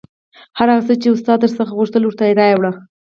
هر څه چې استاد در څخه غوښتل ورته یې راوړه